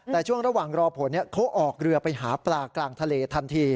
แต่ช่วงระหว่างรอผลเขาออกเรือไปหาปลากลางทะเลทันที